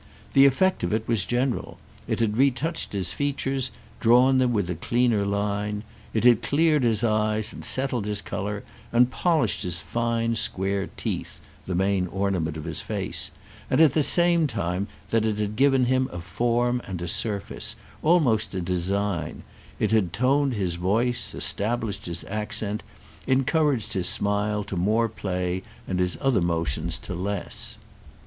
The effect of it was general—it had retouched his features, drawn them with a cleaner line. It had cleared his eyes and settled his colour and polished his fine square teeth—the main ornament of his face; and at the same time that it had given him a form and a surface, almost a design, it had toned his voice, established his accent, encouraged his smile to more play and his other motions to less.